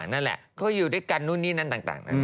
นั่นแหละเขาอยู่ด้วยกันนู่นนี่นั่นต่างนั้น